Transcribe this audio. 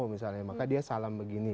maka dia salam begini